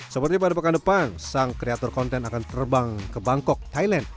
seperti pada pekan depan sang kreator konten akan terbang ke bangkok thailand